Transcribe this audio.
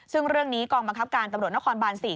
ซึ่งกองประกับการตำรวจนครบันที่๔